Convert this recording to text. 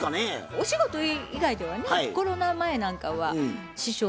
お仕事以外ではねコロナ前なんかは師匠とは表でね。